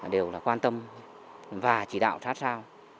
đều là quan tâm và chỉ đạo sát sao